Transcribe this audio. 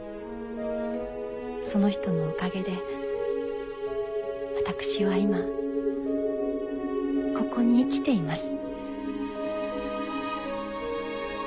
その人のおかげで私は今ここに生きています。